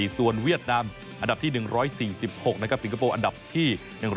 ส่วนเวียดนามอันดับที่๑๔๖นะครับสิงคโปร์อันดับที่๑๐